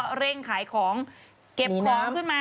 เร่งขายของเก็บของขึ้นมา